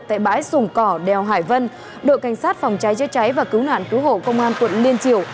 tại bãi sùng cỏ đèo hải vân đội cảnh sát phòng cháy chế cháy và cứu nạn cứu hộ công an quận liên triều